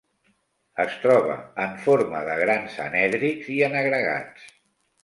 Es troba en forma de grans anèdrics i en agregats.